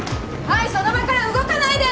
はいその場から動かないで！